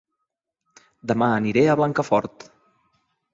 Dema aniré a Blancafort